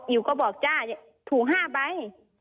อิ๋วก็บอกจ้าถูก๕ใบ